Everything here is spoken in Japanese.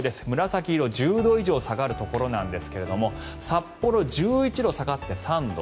紫色１０度以上下がるところですが札幌、１１度下がって３度。